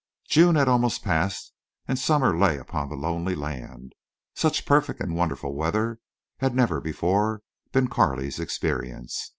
June had almost passed and summer lay upon the lonely land. Such perfect and wonderful weather had never before been Carley's experience.